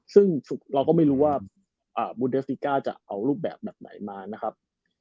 ซึ่งเราก็ไม่รู้ว่าบูเดสติก้าจะเอารูปแบบแบบไหนมานะครับ